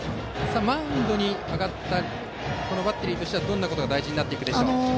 マウンドに上がってバッテリーとしてはどんなことが大事になるでしょう。